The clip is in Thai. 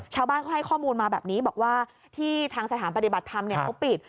ชาวบ้านเขาให้ข้อมูลมาแบบนี้บอกว่าที่ทางสถานปฏิบัติธรรมเขาปิด